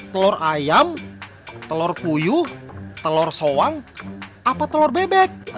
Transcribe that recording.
telur ayam telur puyuh telur soang apa telur bebek